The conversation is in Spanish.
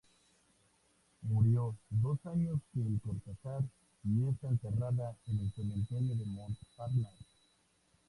Murió dos años antes que Cortázar y está enterrada en el cementerio de Montparnasse.